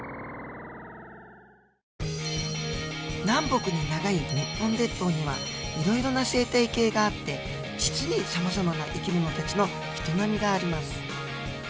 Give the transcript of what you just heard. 南北に長い日本列島にはいろいろな生態系があって実にさまざまな生き物たちの営みがあります。